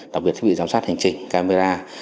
đặc biệt thiết bị giám sát hành trình camera